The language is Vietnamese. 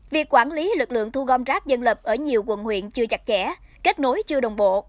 việc quản lý lực lượng thu gom rác dân lập ở nhiều quận huyện chưa chặt chẽ kết nối chưa đồng bộ